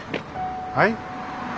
はい？